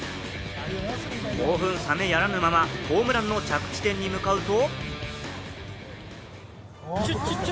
興奮冷めやらぬ中、ホームランの着地点に向かうと。